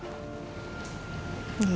aku mau pergi